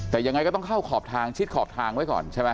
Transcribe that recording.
แต่ยังไงก็ต้องเข้าขอบทางชิดขอบทางไว้ก่อนใช่ไหม